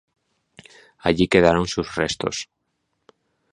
Allí quedaron sus restos.